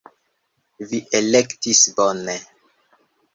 Vi elektis bone!